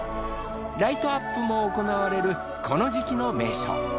ライトアップも行われるこの時季の名所。